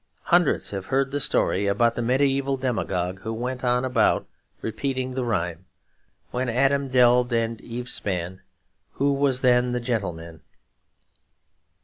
Hundreds have heard the story about the mediaeval demagogue who went about repeating the rhyme When Adam delved and Eve span, Who was then the gentleman?